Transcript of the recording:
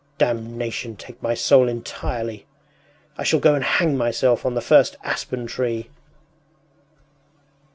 Damnation take my soul entirely! I shall go and hang myself on the first aspen tree!